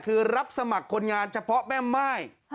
คือรับสมัครคนงานเฉพาะแม่ม่าย